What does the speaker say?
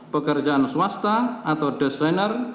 pekerjaan swasta atau designer